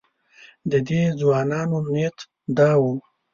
د دې ځوانانو نیت دا و.